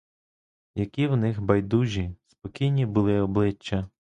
Які в них байдужі спокійні були обличчя!